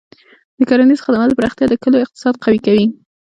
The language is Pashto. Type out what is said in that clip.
د کرنیزو خدماتو پراختیا د کلیو اقتصاد قوي کوي.